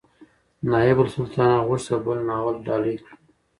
نایبالسلطنه غوښتل بل ناول ډالۍ کړي.